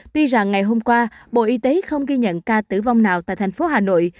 tuy rằng ngày hôm qua bộ y tế không ghi nhận ca tử vong nào tại thành phố hà nội